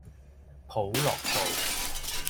普樂道